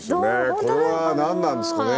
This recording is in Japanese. これは何なんですかね？